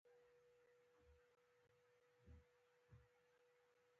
او څو چاقيانې يې په ګېډه کې ووهو.